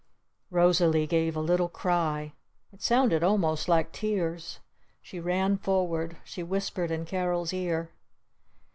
Rosalee gave a little cry. It sounded almost like tears. She ran forward. She whispered in Carol's ear.